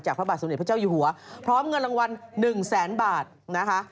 หรือพระเจ้าอยู่หัวพร้อมเงินรางวัล๑แสนบาทนะคะ